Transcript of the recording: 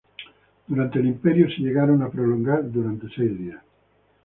Durante el Imperio, se llegaron a prolongar durante seis días.